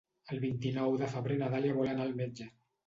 El vint-i-nou de febrer na Dàlia vol anar al metge.